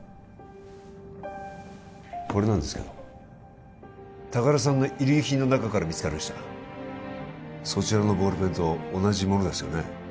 これなんですけど高田さんの遺留品の中から見つかりましたそちらのボールペンと同じものですよね？